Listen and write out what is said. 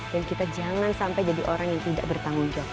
dan kita jangan sampai jadi orang yang tidak bertanggung jawab